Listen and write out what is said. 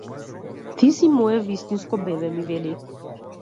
Ти со мое вистинско бебе, ми вели.